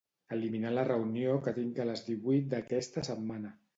Eliminar la reunió que tinc a les divuit d'aquesta setmana.